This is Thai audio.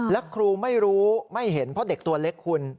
และครูไม่รู้ไม่เห็นเพราะเด็กตัวเล็กคุณ